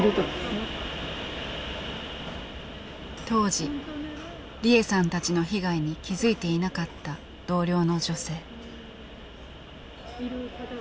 当時利枝さんたちの被害に気付いていなかった同僚の女性。